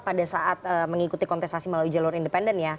pada saat mengikuti kontestasi melalui jalur independen ya